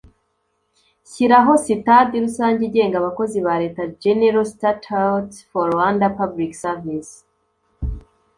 rishyiraho Sitati Rusange igenga abakozi ba Leta General Statutes for Rwanda Public service